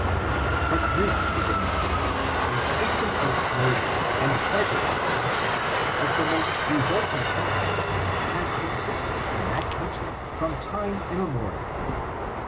But this is a mistake: a system of slavery and beggarly oppression, of the most re volting character, has existed in that country from time immemorial.